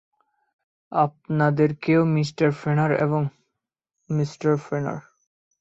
আপনাদেরকেও, mister Fenner এবং mister ফেনার।